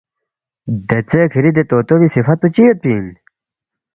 دیژے کِھری دے طوطو بی صِفت پو چِہ یودپی اِن؟